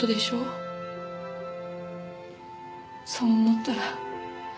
そう思ったら。